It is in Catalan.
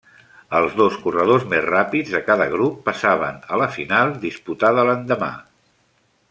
Els dos corredors més ràpids de cada grup passaven a la final, disputada l'endemà.